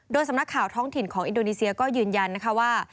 สำนักข่าวท้องถิ่นของอินโดนีเซียก็ยืนยันนะคะว่า